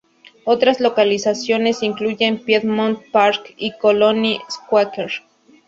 Otras localizaciones incluyeron Piedmont Park y Colony Square.